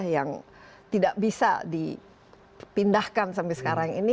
yang tidak bisa dipindahkan sampai sekarang ini